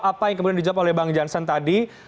apa yang kemudian dijawab oleh bang jansen tadi